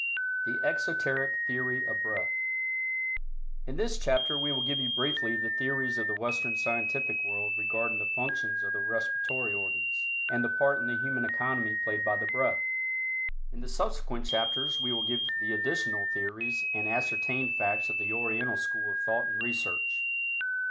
THE EXOTERIC THEORY OF BREATH. In this chapter we will give you briefly the theories of the Western scientific world regarding the functions of the respiratory organs, and the part in the human economy played by the breath. In subsequent chapters we will give the additional theories and ascertained facts of the Oriental school of thought and research.